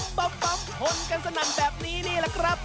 ฤีราบบำพนกันสนั่นแบบนี้นี่ล่ะครับ